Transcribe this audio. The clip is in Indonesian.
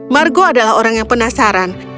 margo adalah orang yang penasaran